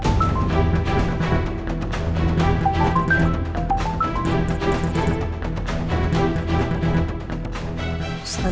dan nonton video beliau ya